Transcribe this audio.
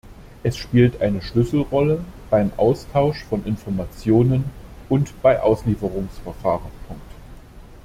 Es spielt eine Schlüsselrolle beim Austausch von Informationen und bei Auslieferungsverfahren.